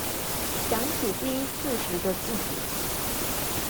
想起第一次時的自己